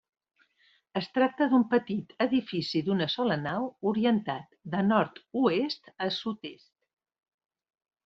Es tracta d'un petit edifici d'una sola nau, orientat de nord-oest a sud-est.